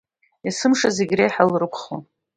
Есымша зегь реиҳа лрыԥхуан.